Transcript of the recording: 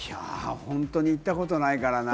本当に行ったことないからな。